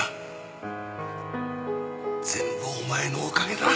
全部お前のおかげだ。